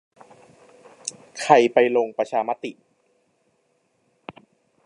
ใครไป ลงประชามติ